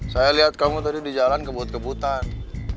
saya lihat kamu tadi di jalan kebut kebutan